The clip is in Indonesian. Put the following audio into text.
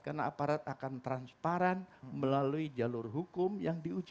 karena aparat akan transparan melalui jalur hukum yang diuji